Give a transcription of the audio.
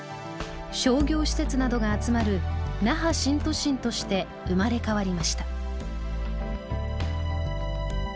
商業施設などが集まる「那覇新都心」として生まれ変わりました。